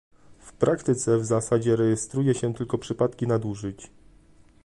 W praktyce w zasadzie rejestruje się tylko przypadki nadużyć